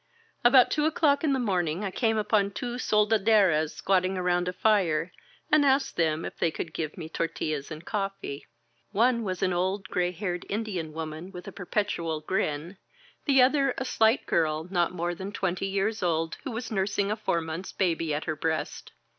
.•. About two o'clock in the morning I came upon two soldaderaa squatting around a fire, and asked them if they could give me tortillas and coffee. One was an old, gray haired Indian woman with a perpetual grin, 196 ON THE CANNON CAR the other a slight girl not more than twenty years old, who was nursing a four months baby at her breast.